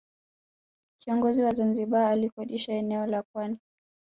Kiongozi wa Zanzibar alikodisha eneo la pwani